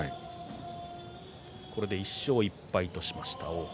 これで１勝１敗としました王鵬。